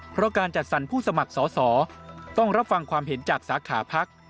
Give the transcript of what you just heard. เพราะการจัดสรรผู้สมัครสอสอต้องรับฟังความเห็นจากสาขาพัก